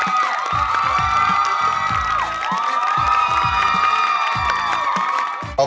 สวัสดีครับ